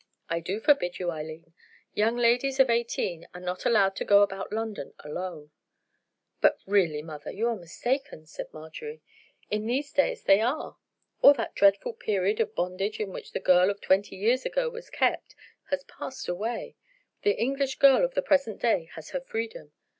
"I do forbid you, Eileen. Young ladies of eighteen are not allowed to go about London alone." "But really, mother, you are mistaken," said Marjorie; "in these days they are. All that dreadful period of bondage in which the girl of twenty years ago was kept has passed away; the English girl of the present day has her freedom.